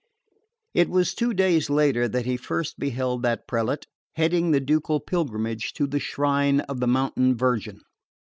It was two days later that he first beheld that prelate, heading the ducal pilgrimage to the shrine of the mountain Virgin.